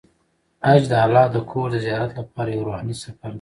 حج د الله د کور د زیارت لپاره یو روحاني سفر دی.